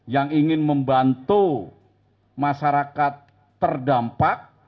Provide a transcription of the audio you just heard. yang ingin membantu masyarakat terdampak